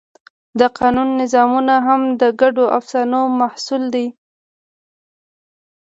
د قانون نظامونه هم د ګډو افسانو محصول دي.